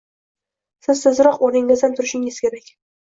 Siz tezroq o’rningizdan turishingiz kerak.